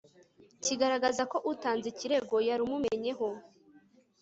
kigaragaza ko utanze ikirego yarumenyeyeho